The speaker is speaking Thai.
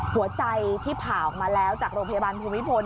หัวใจที่ผ่าออกมาแล้วจากโรงพยาบาลภูมิพล